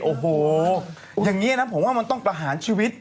โอ้โหอย่างนี้นะผมว่ามันต้องประหารชีวิต